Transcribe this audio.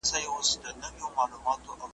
پر اوږو يې كړ پوستين پسي روان سو `